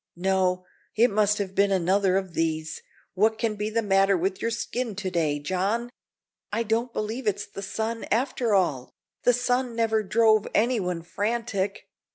No, it must have been another of these what can be the matter with your skin to day, John? I don't believe it's the sun, after all. The sun never drove anyone frantic.